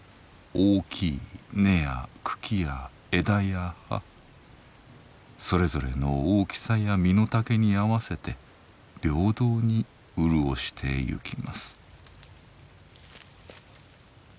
大きい根や茎や枝や葉それぞれの大きさや身の丈に合わせて平等に潤してゆきます。